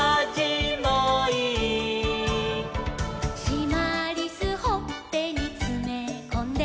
「しまりすほっぺにつめこんで」